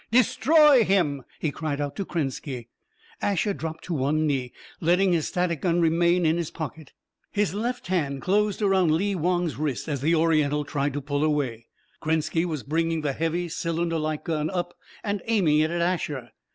"Destroy him!" he cried out to Krenski. Asher dropped to one knee, letting his static gun remain in his pocket. His left hand closed around Lee Wong's wrist as the Oriental tried to pull away. Krenski was bringing the heavy, cylinderlike gun up and aiming it at Asher.